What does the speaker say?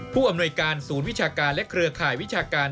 ผู้อำนวยการศูนย์วิชาการและเครือข่ายวิชาการ